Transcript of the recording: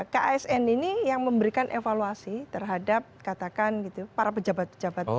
ksn ini yang memberikan evaluasi terhadap katakan gitu para pejabat pejabat